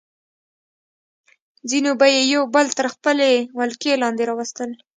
ځینو به یې یو بل تر خپلې ولکې لاندې راوستل.